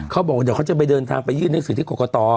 เขาบอกว่าเดี๋ยวเขาจะไปเดินทางไปยื่นหนังสือที่กรกต